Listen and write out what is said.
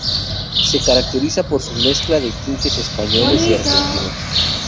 Se caracteriza por su mezcla de tintes españoles y argentinos.